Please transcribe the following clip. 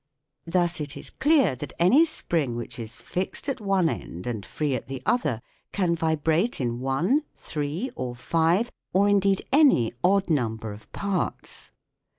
Thus it is clear that any spring which is fixed at one end and free at the other can vibrate in one, three, or five, or indeed any odd number of parts.